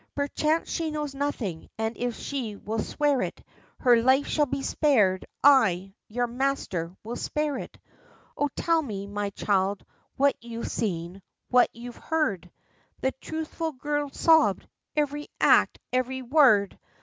Perchance she knows nothing, and, if she will swear it, Her life shall be spared I, your Master, will spare it! Oh, tell me, my child, what you've seen what you've heard?' The truthful girl sobb'd, 'Ev'ry act! ev'ry word!'